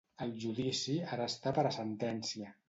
El judici ara està per a sentència.